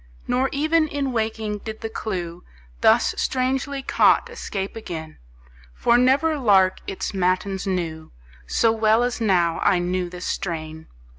Nor even in waking did the clew, Thus strangely caught, escape again; For never lark its matins knew So well as now I knew this strain.